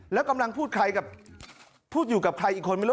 แล้วกำลังพูดอยู่กับใครอีกคนไม่รู้